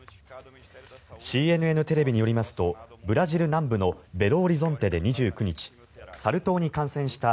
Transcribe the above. ＣＮＮテレビによりますとブラジル南部のベロオリゾンテで２９日サル痘に感染した